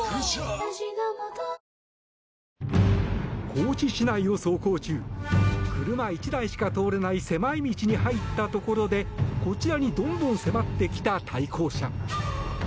高知市内を走行中車１台しか通れない狭い道に入ったところでこちらにどんどん迫ってきた対向車。